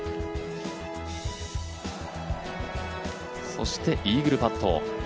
そしてイーグルパット。